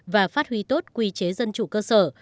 và phát huy tốt quy chế dân chủ cơ sở